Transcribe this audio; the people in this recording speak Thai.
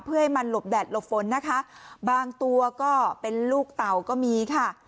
เพื่อให้มันหลบแดดหลบฝนนะคะบางตัวก็เป็นลูกเต่าก็มีค่ะ